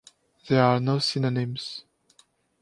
There are no synonyms.